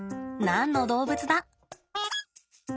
何の動物だ？